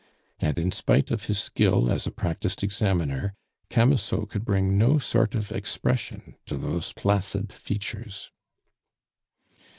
And in spite of his skill as a practised examiner, Camusot could bring no sort of expression to those placid features.